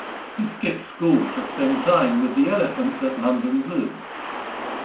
He skipped school to spend time with the elephants at London Zoo.